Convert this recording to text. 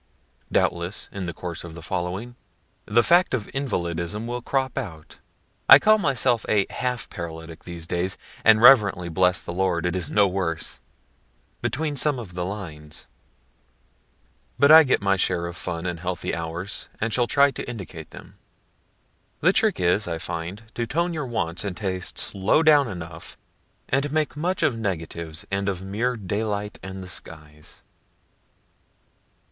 Doubtless in the course of the following, the fact of invalidism will crop out, (I call myself a half Paralytic these days, and reverently bless the Lord it is no worse,) between some of the lines but I get my share of fun and healthy hours, and shall try to indicate them. (The trick is, I find, to tone your wants and tastes low down enough, and make much of negatives, and of mere daylight and the skies.)